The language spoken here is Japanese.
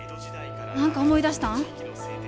何か思い出したん？